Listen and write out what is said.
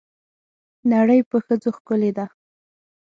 نړۍ په ښځو ښکلې ده.